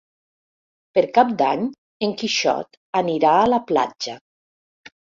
Per Cap d'Any en Quixot anirà a la platja.